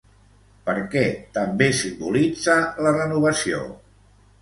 Per què també simbolitza la renovació?